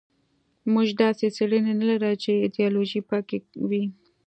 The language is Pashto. موږ داسې څېړنې نه لرو چې له ایدیالوژۍ پاکې وي.